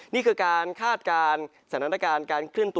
นี่คือการคาดการณ์สถานการณ์